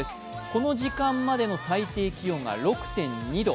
この時間までの最低気温が６．２度。